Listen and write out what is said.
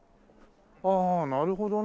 ああなるほどね。